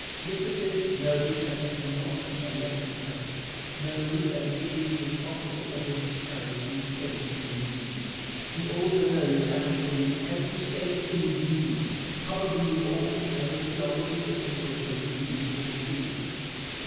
Mr. Fisk knows that he cannot be elected President knows that it is impossible for him to carry any State in the Union. He also knows that in nearly every State in the Union probably in all a majority of the people believe in stimulants.